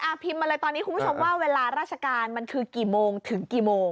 พิมพ์มาเลยตอนนี้คุณผู้ชมว่าเวลาราชการมันคือกี่โมงถึงกี่โมง